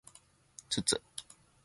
つつ